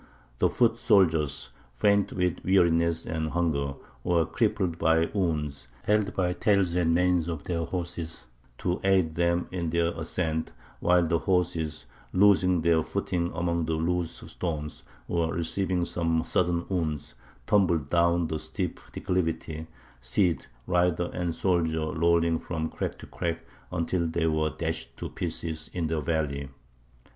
The foot soldiers, faint with weariness and hunger, or crippled by wounds, held by the tails and manes of their horses, to aid them in their ascent, while the horses, losing their footing among the loose stones, or receiving some sudden wound, tumbled down the steep declivity, steed, rider, and soldier rolling from crag to crag, until they were dashed to pieces in the valley.